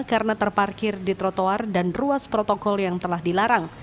karena terparkir di trotoar dan ruas protokol yang telah dilarang